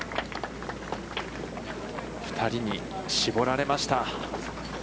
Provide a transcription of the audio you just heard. ２人に絞られました。